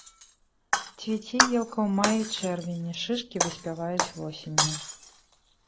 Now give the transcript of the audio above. Цвіце елка ў маі-чэрвені, шышкі выспяваюць восенню.